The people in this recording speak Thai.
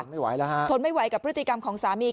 ไม่ไหวแล้วฮะทนไม่ไหวกับพฤติกรรมของสามี